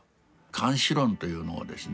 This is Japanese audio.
「諫死論」というのをですね